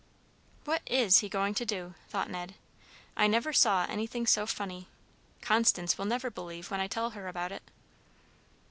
"What is he going to do?" thought Ned. "I never saw anything so funny. Constance will never believe when I tell her about it."